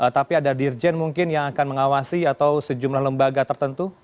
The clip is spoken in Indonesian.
tapi ada dirjen mungkin yang akan mengawasi atau sejumlah lembaga tertentu